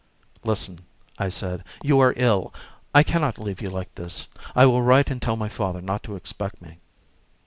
"Listen," I said. "You are ill. I can not leave you like this. I will write and tell my father not to expect me."